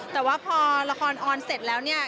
แต่ว่าพอละครออนเสร็จแล้วเนี่ย